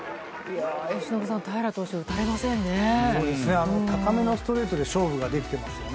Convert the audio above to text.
由伸さん、平良投手打たれませんね。